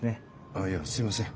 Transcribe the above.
あっいやすいません。